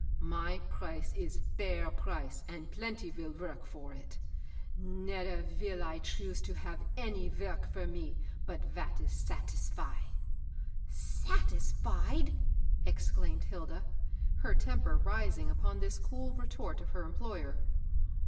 My price is feir price, and plenty vill vork for it; neder vill I chose to have any vork for me but vat ish sat isfy.'* 168 MABEL ROSP " Satisfied I " exclaimed Hilda, her temper ris ing upon this cool retort of her employer.